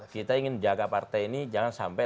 kita ingin jaga partai ini jangan sampai